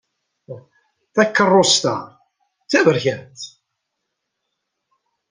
Takeṛṛust-a d taberkant.